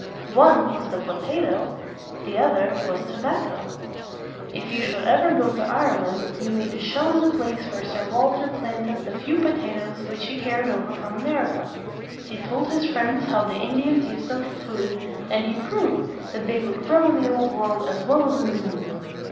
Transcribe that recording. One was the po ta to, the other was to bac co. If you should ever go to Ireland, you may be shown the place where Sir Walter planted the few po ta toes which he carried over from America. He told his friends how the Indians used them for food; and he proved that they would grow in the Old World as well as in the New.